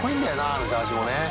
あのジャージもね。